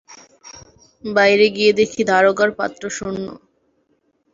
বাইরে গিয়ে দেখি দারোগার পাত্র শূন্য।